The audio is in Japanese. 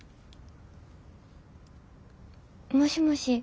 もしもし。